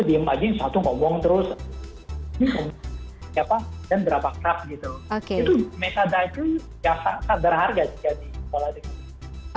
itu metadata itu yang sadar harga jadi